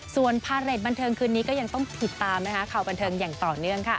ส่วนพาเรทบันเทิงคืนนี้ก็ยังต้องติดตามข่าวบันเทิงอย่างต่อเนื่อง